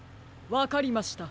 わかりました。